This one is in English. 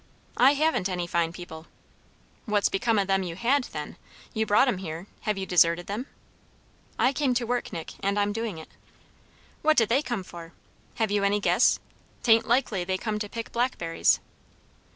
"I haven't any fine people." "What's become o' them you had, then? You brought 'em here; have you deserted 'em?" "I came to do work, Nick; and I'm doing it." "What did they come for? have you any guess? 'Tain't likely they come to pick blackberries."